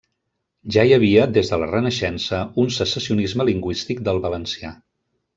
Ja hi havia des de la Renaixença un secessionisme lingüístic del valencià.